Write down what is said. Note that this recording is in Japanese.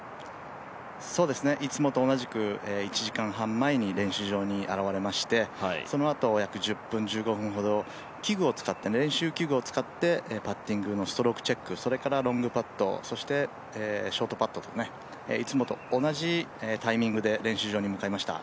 いつもと同じく１時間半前に練習場に現れまして、そのあと、約１０分、１５分ほど練習器具を使ってパッティングのストロークチェック、それからロングパット、そしてショートパットといつもと同じタイミングで練習場に向かいました。